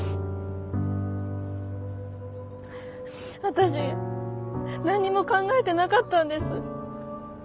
私何にも考えてなかったんです。